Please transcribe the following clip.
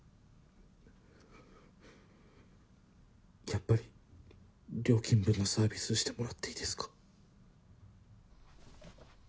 やっぱり料金分のサービスしてもらっていいですか？